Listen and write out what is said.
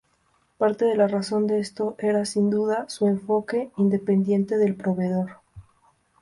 Parte de la razón de esto era, sin duda, su enfoque independiente del proveedor.